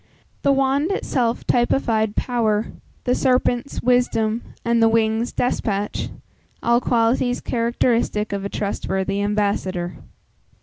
The wand itself typified power; the serpents, wisdom; and the wings, despatch all qualities characteristic of a trustworthy ambassador.